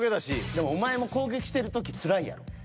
でもお前も攻撃してる時つらいやろ。